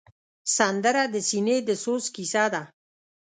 سندره د سینې د سوز کیسه ده